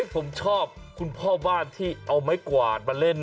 ผมชอบคุณพ่อบ้านที่เอาไม้กวาดมาเล่น